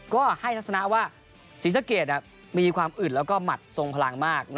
ก็ให้ทัศนะว่าศรีสะเกดมีความอึดแล้วก็หมัดทรงพลังมาก